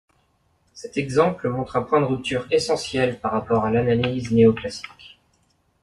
Cet exemple montre un point de rupture essentiel par rapport à l'analyse néoclassique.